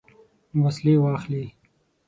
وسلې واخلي.